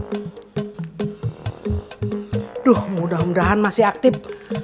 aduh mudah mudahan masih aktif